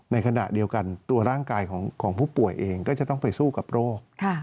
ในขณะเดียวกันตัวร่างกายของผู้ป่วยเองก็จะต้องไปสู้กับโรค